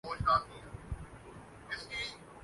خواب میں بھی ڈرانے والی بولی وڈ فلمیں